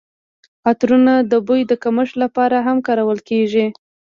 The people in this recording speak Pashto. عطرونه د بوی د کمښت لپاره هم کارول کیږي.